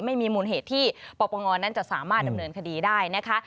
ไม่มีมูลเหตุที่ปปงนั้นจะสามารถดำเนินคดีได้นะคะ